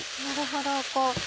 なるほど。